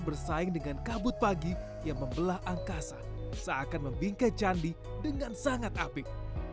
bersaing dengan kabut pagi yang membelah angkasa seakan membingkai candi dengan sangat apik